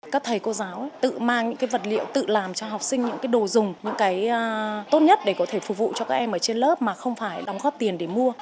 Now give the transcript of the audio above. các thầy cô giáo tự mang những cái vật liệu tự làm cho học sinh những cái đồ dùng những cái tốt nhất để có thể phục vụ cho các em ở trên lớp mà không phải đóng góp tiền để mua